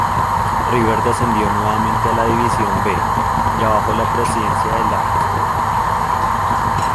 River descendió nuevamente a la División B, ya bajo la presidencia del Arq.